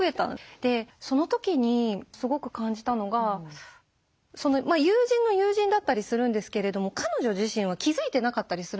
でその時にすごく感じたのが友人の友人だったりするんですけれども彼女自身は気付いてなかったりするんです。